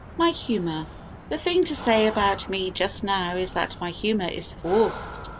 My Humour The thing to say about me just now is that my humour is forced.